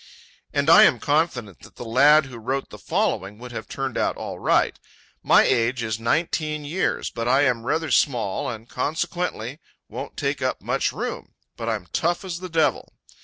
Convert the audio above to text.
And I am confident that the lad who wrote the following would have turned out all right: "My age is 19 years, but I am rather small and consequently won't take up much room, but I'm tough as the devil."